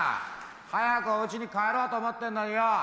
早くおうちに帰ろうと思ってんのによ。